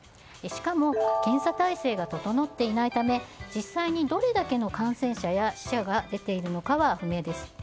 しかも検査体制が整っていないため実際にどれだけの感染者や死者が出ているのかは不明です。